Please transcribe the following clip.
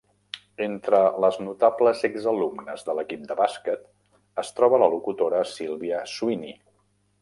Entre les notables ex-alumnes de l'equip de bàsquet es troba la locutora Sylvia Sweeney.